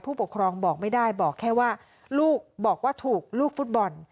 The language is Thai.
ผู้ปกครองบอกไม่ได้บอกแค่ว่าลูกบอกว่าถูกลูกฟุตบอล